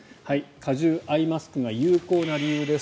加重アイマスクが有効な理由です。